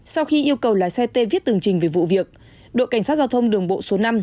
sau khi yêu cầu lái xe tê viết từng trình về vụ việc đội cảnh sát giao thông đường bộ số năm